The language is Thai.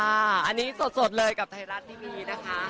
อันนี้สดเลยกับไทยรัฐทีวีนะคะ